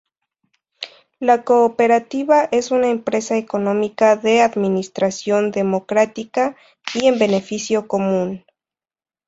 La cooperativa es una empresa económica de administración democrática y en beneficio común.